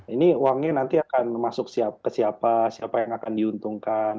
ini uangnya nanti akan masuk ke siapa siapa yang akan diuntungkan